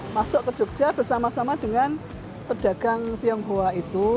masuk ke jogja bersama sama dengan pedagang tionghoa itu